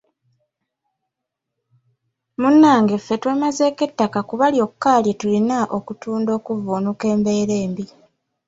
Munnange ffe twemazeeko ettaka kuba lyokka lye tuyina okutunda okuvvuunuka embeera embi.